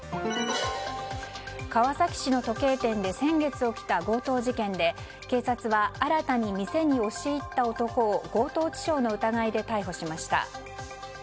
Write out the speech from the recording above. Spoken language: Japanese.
川崎氏の時計店で先月、起きた強盗事件で警察は新たに店に押し入った男を強盗致傷の疑いで逮捕しました。